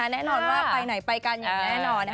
แน่นอนว่าไปไหนไปกันอย่างแน่นอน